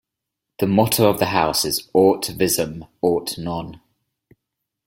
The motto of the house is Aut Visum Aut Non!